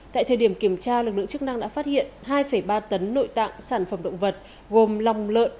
tại thời điểm kiểm tra lực lượng chức năng đã phát hiện hai ba tấn nội tạng sản phẩm động vật gồm lòng lợn